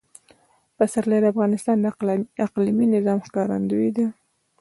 پسرلی د افغانستان د اقلیمي نظام ښکارندوی ده.